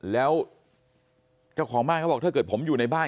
แล้วเจ้าของบ้านเขาบอกถ้าเกิดผมอยู่ในบ้าน